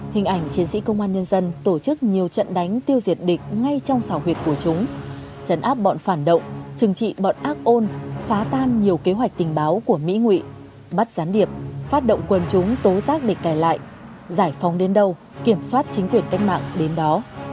hình ảnh chiến sĩ công an nhân dân tổ chức nhiều trận đánh tiêu diệt địch ngay trong xảo huyệt của chúng chấn áp bọn phản động chừng trị bọn ác ôn phá tan nhiều kế hoạch tình báo của mỹ nguy bắt gián điệp phát động quân chúng tố giác địch cài lại giải phóng đến đâu kiểm soát chính quyền cách mạng đến đó